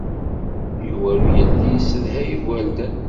Yuba ur yelli yessedhay igerdan.